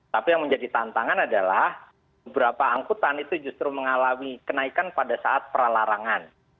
tapi yang menjadi tantangan adalah beberapa angkutan itu justru mengalami kenaikan pada saat pralarangan